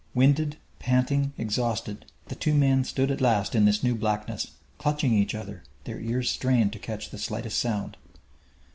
Winded, panting, exhausted, the two men stood at last in this new blackness, clutching each other, their ears strained to catch the slightest sound.